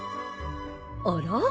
あら？